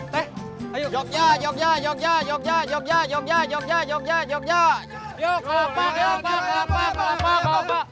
tawan nara premi generan